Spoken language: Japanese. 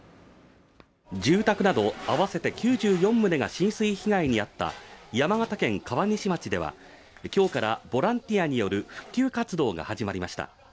住宅など合わせて９４棟が浸水被害に遭った山形県川西町では今日からボランティアによる復旧活動が始まりました。